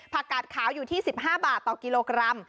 กาดขาวอยู่ที่๑๕บาทต่อกิโลกรัม